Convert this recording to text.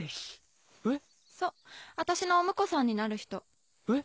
そう私のお婿さんになる人。